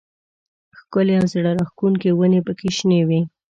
ښکلې او زړه راښکونکې ونې پکې شنې وې.